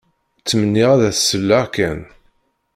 Ttmenniɣ ad as-selleɣ kan.